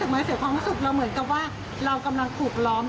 มาขออนุญาตเทศบาลไม่ถูกต้อง